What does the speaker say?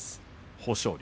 豊昇龍。